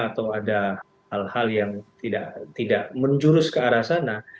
atau ada hal hal yang tidak menjurus ke arah sana